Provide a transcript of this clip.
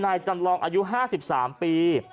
จำลองอายุ๕๓ปี